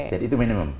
jadi itu minimum